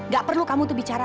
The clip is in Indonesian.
gak perlu kamu tuh bicara